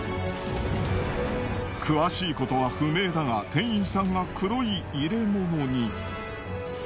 詳しいことは不明だが店員さんが黒い入れ物に。